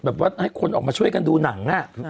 ว่าให้คนออกมาช่วยกันดูหนัง